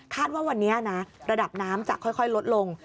ว่าวันนี้นะระดับน้ำจะค่อยลดลง